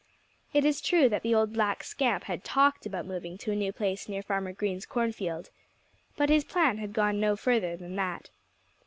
It is true that the old black scamp had talked about moving to a new place nearer Farmer Green's cornfield. But his plan had gone no further than that.